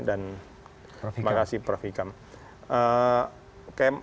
dan terima kasih prof ikam